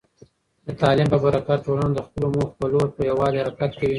د تعلیم په برکت، ټولنه د خپلو موخو په لور په یووالي حرکت کوي.